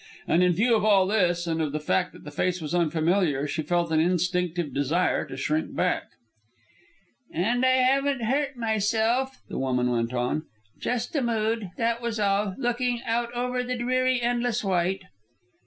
And in view of all this, and of the fact that the face was unfamiliar, she felt an instinctive desire to shrink back. "And I haven't hurt myself," the woman went on. "Just a mood, that was all, looking out over the dreary endless white."